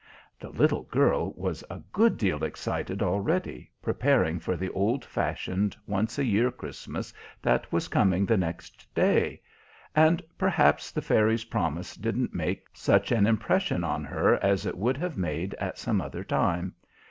The little girl was a good deal excited already, preparing for the old fashioned, once a year Christmas that was coming the next day, and perhaps the Fairy's promise didn't make such an impression on her as it would have made at some other time.